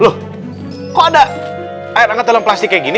loh kok ada air angkat dalam plastik kayak gini